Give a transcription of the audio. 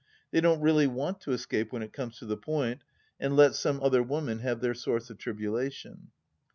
They don't really want to escape when it comes to the point, and let some other woman have their source of tribulation